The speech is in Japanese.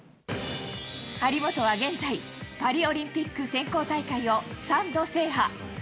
張本は現在、パリオリンピック選考大会を３度制覇。